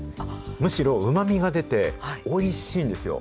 むしろうまみが出て、おいしいんですよ。